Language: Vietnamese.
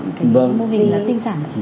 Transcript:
cái mô hình là tinh giản